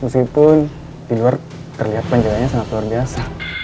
meskipun di luar terlihat panjalanya sangat luar biasa